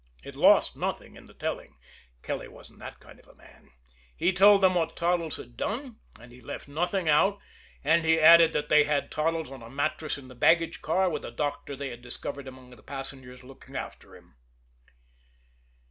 It lost nothing in the telling Kelly wasn't that kind of a man he told them what Toddles had done, and he left nothing out; and he added that they had Toddles on a mattress in the baggage car, with a doctor they had discovered amongst the passengers looking after him.